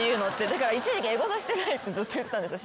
だから一時期エゴサしてないってずっと言ってたんですよしながら。